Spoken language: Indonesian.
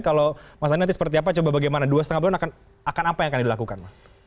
kalau mas andi nanti seperti apa coba bagaimana dua lima bulan akan apa yang akan dilakukan